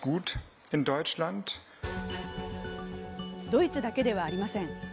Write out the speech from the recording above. ドイツだけではありません。